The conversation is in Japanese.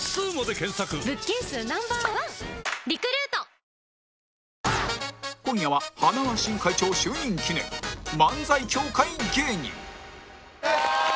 ２１今夜は塙新会長就任記念漫才協会芸人お願いします。